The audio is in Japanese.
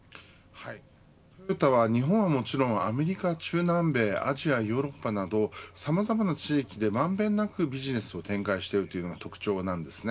トヨタは日本はもちろんアメリカ、中南米アジア、ヨーロッパなどさまざまな地域で、まんべんなくビジネスを展開しているという特徴があります。